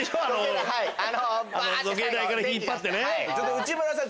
内村さん